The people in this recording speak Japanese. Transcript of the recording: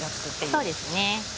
そうですね。